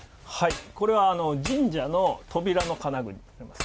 これは神社の扉の金具になります。